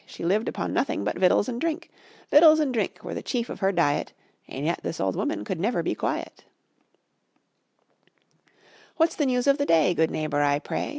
She lived upon nothing but victuals and drink; Victuals and drink were the chief of her diet, And yet this old woman could never be quiet. What's the news of the day, Good neighbor, I pray?